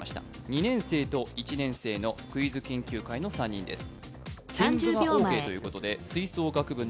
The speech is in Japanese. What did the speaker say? ２年生と１年生のクイズ研究会の３人です。